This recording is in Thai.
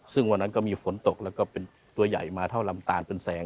ซึ่งวันนั้นก็มีฝนตกแล้วก็เป็นตัวใหญ่มาเท่าลำตาลเป็นแสง